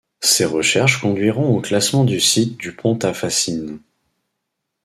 Ces recherches conduiront au classement du site du pont à fascines.